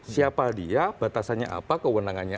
siapa dia batasannya apa kewenangannya